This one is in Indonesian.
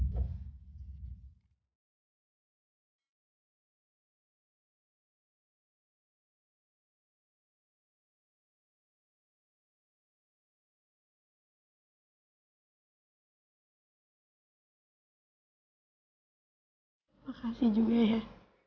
terima kasih juga hek